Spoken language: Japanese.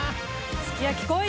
すき焼きこい！